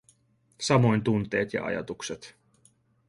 Samoin tunteet ja ajatukset.